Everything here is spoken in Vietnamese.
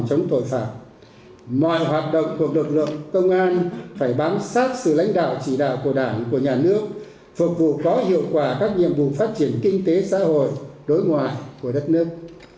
mọi hoạt động của lực lượng công an phải bám sát sự lãnh đạo chỉ đạo của đảng của nhà nước phục vụ có hiệu quả các nhiệm vụ phát triển kinh tế xã hội đối ngoại của đất nước